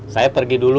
saya pergi dulu